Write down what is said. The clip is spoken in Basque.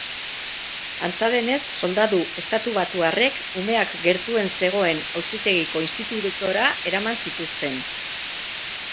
Antza denez, soldadu estatubatuarrek umeak gertuen zegoen auzitegiko institura eraman zituzten.